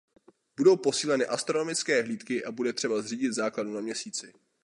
Budou posíleny astronomické hlídky a bude třeba zřídit základnu na Měsíci.